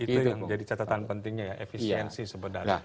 itu yang jadi catatan pentingnya ya efisiensi sebenarnya